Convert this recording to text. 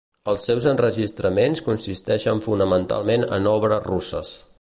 Els seus enregistraments consisteixen fonamentalment en obres russes.